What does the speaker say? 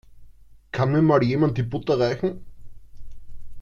Kann mir mal jemand die Butter reichen?